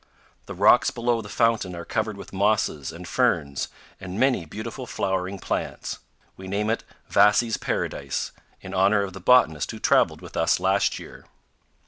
The rocks below the fountain are covered with mosses and ferns and many beautiful flowering plants. We name it Vasey's Paradise, in honor of the botanist who traveled with us last year.